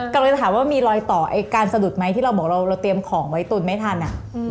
กำลังจะถามว่ามีรอยต่อไอ้การสะดุดไหมที่เราบอกเราเตรียมของไว้ตุนไม่ทัน